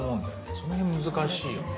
その辺難しいよね。